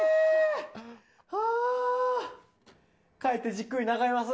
帰ってじっくり眺めます。